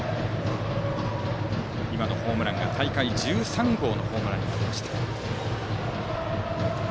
今のホームランが大会１３号のホームランになりました。